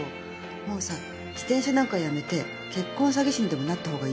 もうさ自転車なんか辞めて結婚詐欺師にでもなった方がいいよ。